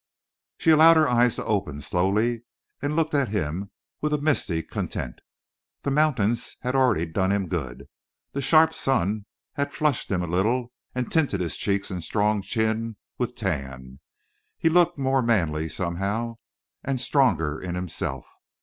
She allowed her eyes to open, slowly, and looked at him with a misty content. The mountains had already done him good. The sharp sun had flushed him a little and tinted his cheeks and strong chin with tan. He looked more manly, somehow, and stronger in himself.